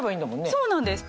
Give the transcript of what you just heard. そうなんです。